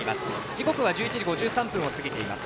時刻は１１時５３分を過ぎています。